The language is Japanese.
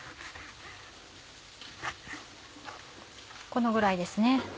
このぐらいですね